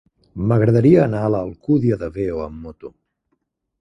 M'agradaria anar a l'Alcúdia de Veo amb moto.